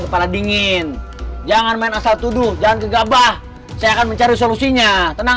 kepala dingin jangan main asal tuduh jangan gegabah saya akan mencari solusinya tenang